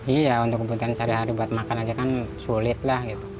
iya untuk kebutuhan sehari hari buat makan aja kan sulit lah gitu